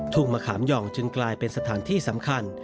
มะขามหย่องจึงกลายเป็นสถานที่สำคัญ